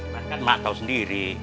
maka tau sendiri